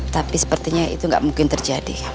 tapi sepertinya itu nggak mungkin terjadi